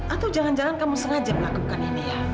atau jangan jangan kamu sengaja melakukan ini